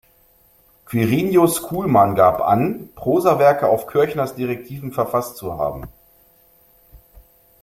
Quirinus Kuhlmann gab an, Prosawerke auf Kirchners Direktiven verfasst zu haben.